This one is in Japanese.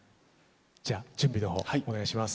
じゃあ準備の方お願いします。